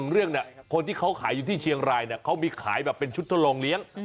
เรื่องเนี่ยคนที่เขาขายอยู่ที่เชียงรายเนี่ยเขามีขายแบบเป็นชุดทดลองเลี้ยง